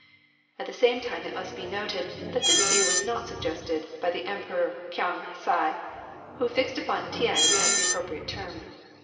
At the same time it must be noted that this view was not suggested by the Emperor K'ang Hsi, who fixed upon THen as the appropriate term.